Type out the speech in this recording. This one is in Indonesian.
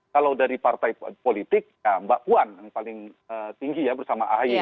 kalau dari partai politik mbak puan yang paling tinggi bersama ahe